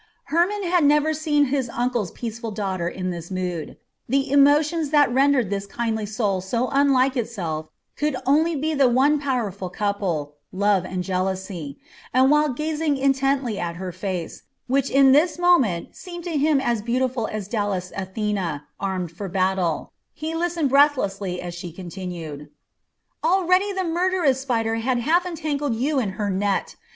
Hermon had never seen his uncle's peaceful daughter in this mood. The emotions that rendered this kindly soul so unlike itself could only be the one powerful couple, love and jealousy; and while gazing intently at her face, which in this moment seemed to him as beautiful as Dallas Athene armed for battle, he listened breathlessly as she continued: "Already the murderous spider had half entangled you in her net.